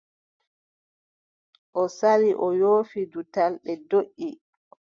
O sali o yoofi dutal, ɓe ndoʼi.